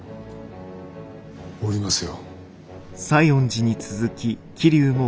降りますよ。